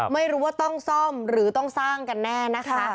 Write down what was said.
ไม่รู้ว่าต้องซ่อมหรือต้องสร้างกันแน่นะคะ